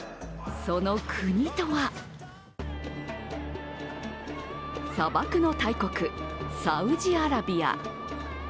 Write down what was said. その国とは砂漠の大国サウジアラビア。